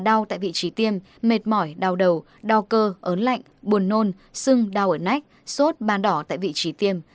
đau tại vị trí tiêm mệt mỏi đau đầu đau cơ ớn lạnh buồn nôn sưng đau ở nách sốt ban đỏ tại vị trí tiêm